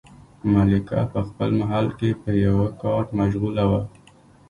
ملکه په خپل محل کې په یوه کار مشغوله وه.